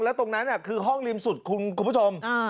แล้วตรงนั้นคือห้องริมสุดคุณผู้ชม